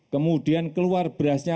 kemudian keluar berasnya